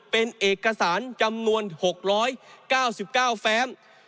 เป็นเอกสารจำนวน๖๙๙แฟม